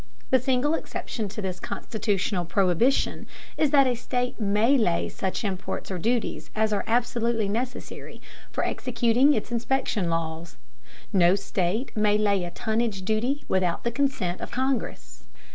The single exception to this constitutional prohibition is that a state may lay such imports or duties as are absolutely necessary for executing its inspection laws. No state may lay a tonnage duty without the consent of Congress.